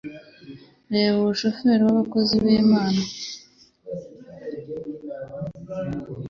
reba uwo serfe w'abakozi b'Imana